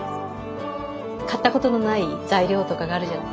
買ったことのない材料とかがあるじゃない。